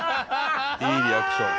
「いいリアクション」